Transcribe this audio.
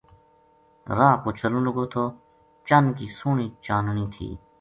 راہ پو چلوں لگو تھو چَن کی سوہنی چننی تھی